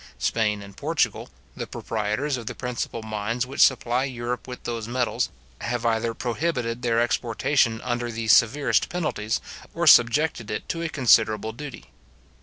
Spain and Portugal, the proprietors of the principal mines which supply Europe with those metals, have either prohibited their exportation under the severest penalties, or subjected it to a considerable duty.